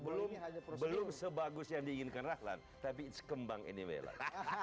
belum sebagus yang diinginkan rahlan tapi it's kembang anyway lah